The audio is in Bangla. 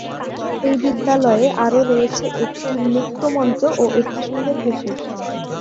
এই বিদ্যালয়ে আরো রয়েছে একটি মুক্ত মঞ্চ ও একটি সুন্দর পুকুর।